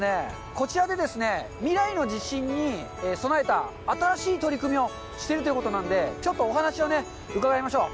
こちらで未来の地震に備えた、新しい取り組みをしているということなんで、ちょっとお話を伺いましょう。